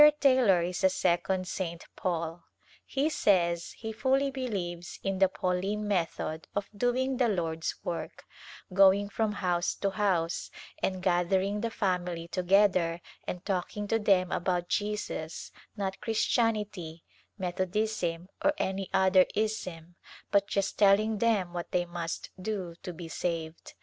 Taylor is a second St. Paul. He says he fully believes in the Pauline method of doing the Lord's work, going from house to house and gathering the family together and talking to them about Jesus^ not Christianity, Methodism or any other ism but just telling them what they must do to be saved.